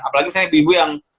apalagi misalnya ibu ibu yang